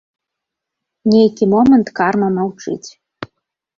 Нейкі момант карма маўчыць.